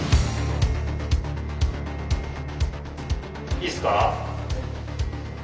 いいっすか？